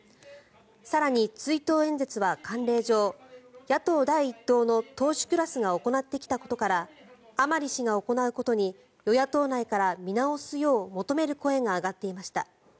更に、追悼演説は慣例上野党第１党の党首クラスが行ってきたことから甘利氏が行うことに与野党内から見直すよう求める声が上がっていました。